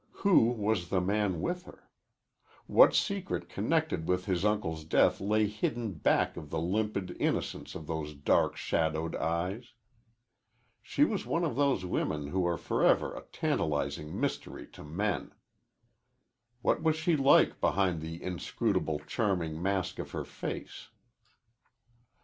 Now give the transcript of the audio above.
Who was the man with her? What secret connected with his uncle's death lay hidden back of the limpid innocence of those dark, shadowed eyes? She was one of those women who are forever a tantalizing mystery to men. What was she like behind the inscrutable, charming mask of her face?